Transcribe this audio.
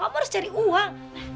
kamu harus cari uang